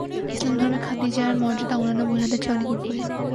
ইসলাম ধর্মে খাদিজার মর্যাদা অন্যান্য মহিলাদের চেয়ে অনেক উপরে।